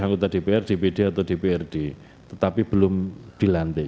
anggota dpr dpd atau dprd tetapi belum dilantik